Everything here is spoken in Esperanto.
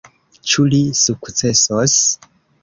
Ĉu li sukcesos?